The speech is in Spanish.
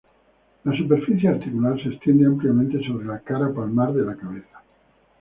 La superficie articular se extiende ampliamente sobre la cara palmar de la cabeza.